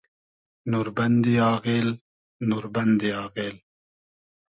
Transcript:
نوربئندی آغیل ، نوربئندی آغیل